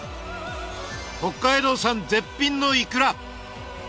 北海道産絶品のイクラ！